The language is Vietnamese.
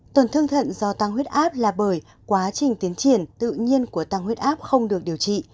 tổn thương thận do tăng huyết áp là bởi quá trình tiến triển tự nhiên của tăng huyết áp không được điều trị